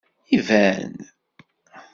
Iban!